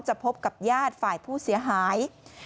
พบกับญาติฝ่ายผู้เสียหาย